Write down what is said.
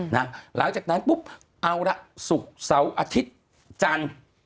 หลังจากนั้นปุ๊บเอาละศุกร์เสาร์อาทิตย์จันทร์